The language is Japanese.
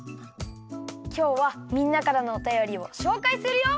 きょうはみんなからのおたよりをしょうかいするよ！